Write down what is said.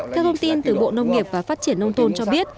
theo thông tin từ bộ nông nghiệp và phát triển nông thôn cho biết